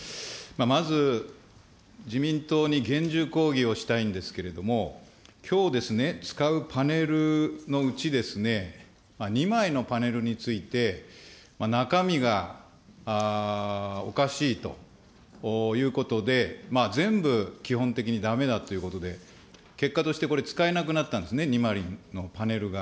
まず、自民党に厳重抗議をしたいんですけれども、きょうですね、使うパネルのうちですね、２枚のパネルについて、中身がおかしいということで、全部基本的にだめだということで、結果としてこれ使えなくなったんですね、２枚のパネルが。